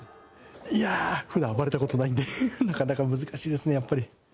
いやぁ、ふだん、暴れたことないんで、なかなか難しいですね、やっぱり。